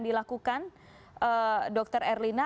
dilakukan dr erlina